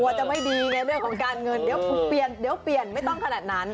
กลัวจะไม่ดีในเรื่องของการเงินเดี๋ยวเปลี่ยนไม่ต้องขนาดนั้น